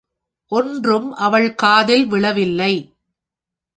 ஒன்றும் அவள் காதில் விழவில்லை.